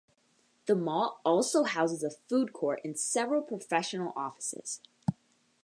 The mall also houses a food court and several professional offices.